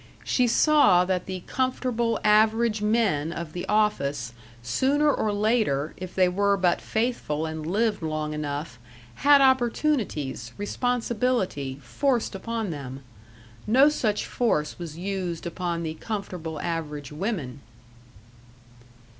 She saw that the comfortable average men of the office sooner or later, if they were but faithful and lived long enough, had opportunities, responsibility, forced upon them. No such force was used upon the comfortable average women!